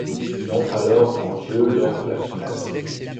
Il entre alors en jeu lors de la finale.